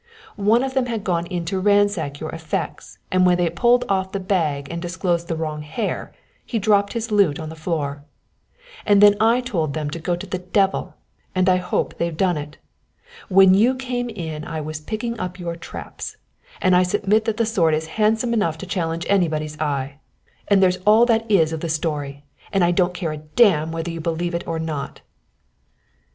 One of them had gone in to ransack your effects and when they pulled off the bag and disclosed the wrong hare, he dropped his loot on the floor; and then I told them to go to the devil, and I hope they've done it! When you came in I was picking up your traps, and I submit that the sword is handsome enough to challenge anybody's eye. And there's all there is of the story, and I don't care a damn whether you believe it or not."